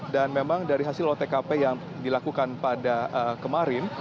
dan memang dari hasil olah tkp yang dilakukan pada kemarin